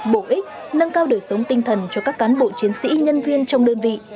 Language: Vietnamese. bổ ích nâng cao đời sống tinh thần cho các cán bộ chiến sĩ nhân viên trong đơn vị